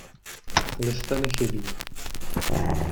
Listeny chybí.